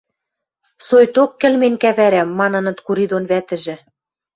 Сойток кӹлмен кӓвӓрӓ! — маныныт Кури дон вӓтӹжӹ.